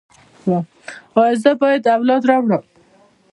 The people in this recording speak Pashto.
ایا زه باید اولاد راوړم؟